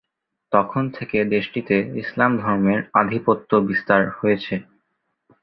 তখন থেকে দেশটিতে ইসলাম ধর্মের আধিপত্য বিস্তার হয়েছে।